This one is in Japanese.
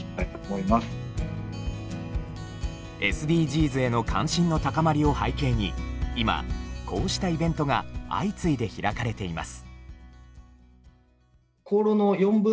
「ＳＤＧｓ」への関心の高まりを背景に今こうしたイベントが相次いで開かれています。